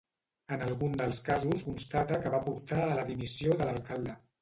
En algun dels casos constata que va portar a la dimissió de l'alcalde.